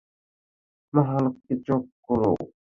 মহালক্ষী, চোখ খুলো।